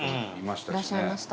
高橋：いらっしゃいました。